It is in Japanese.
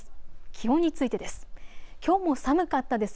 気温についてです。